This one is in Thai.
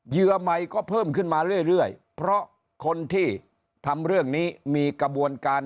เหยื่อใหม่ก็เพิ่มขึ้นมาเรื่อยเพราะคนที่ทำเรื่องนี้มีกระบวนการ